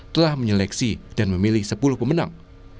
telah menyeleksi dan memilih sepuluh pemenang